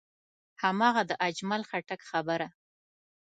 هماغه د اجمل خټک خبره.